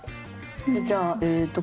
じゃあえっと